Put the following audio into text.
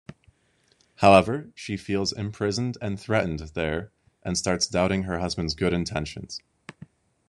However, she feels imprisoned and threatened there and starts doubting her husband's good intentions.